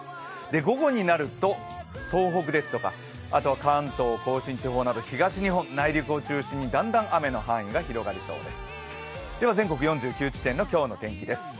午後になると、東北ですとかあとは関東甲信地方など東日本、内陸を中心にだんだん雨の範囲が広がりそうです。